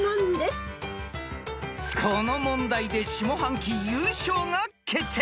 ［この問題で下半期優勝が決定］